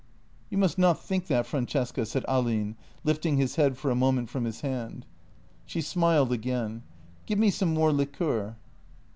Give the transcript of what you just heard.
" "You must not think that, Francesca," said Ahlin, lifting his head for a moment from his hand. She smiled again. " Give me some more liqueur."